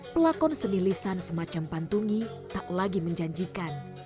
pelakon senilisan semacam pantungi tak lagi menjanjikan